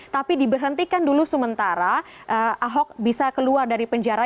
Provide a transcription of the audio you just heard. tapi diberhentikan dulu sementara ahok bisa keluar dari penjara